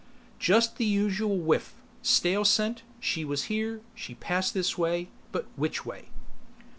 "Just the usual whiff. Stale scent. She was here; she passed this way. But which way?"